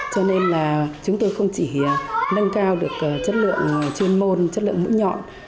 cho nên là chúng tôi không chỉ nâng cao được chất lượng chuyên môn chất lượng mũi nhọn